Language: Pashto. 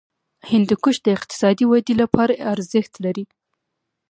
هندوکش د اقتصادي ودې لپاره ارزښت لري.